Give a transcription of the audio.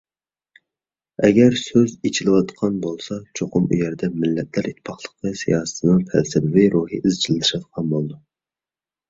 ئەگەر سۆز ئېچىلىۋاتقان بولسا، چوقۇم ئۇ يەردە «مىللەتلەر ئىتتىپاقلىقى» سىياسىتىنىڭ «پەلسەپىۋى» روھى ئىزچىللىشىۋاتقان بولىدۇ.